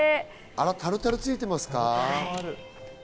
タルタルついてますか？